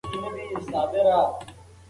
ټولنه د فکري قوتونو په وسیله بدلیږي.